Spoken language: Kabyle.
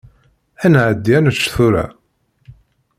Ad nεeddi ad nečč tura.